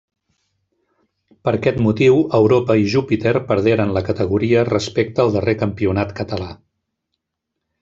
Per aquest motiu, Europa i Júpiter perderen la categoria respecte al darrer campionat català.